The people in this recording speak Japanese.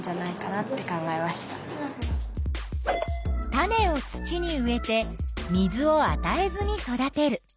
種を土に植えて水をあたえずに育てる。